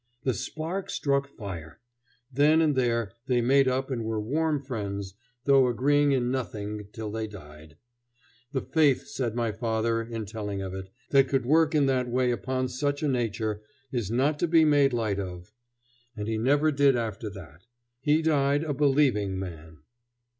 The spark struck fire. Then and there they made up and were warm friends, though agreeing in nothing, till they died. "The faith," said my uncle in telling of it, "that could work in that way upon such a nature, is not to be made light of." And he never did after that. He died a believing man.